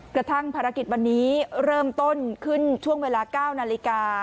กระทั่งภารกิจวันนี้เริ่มต้นขึ้นช่วงเวลา๙นาฬิกา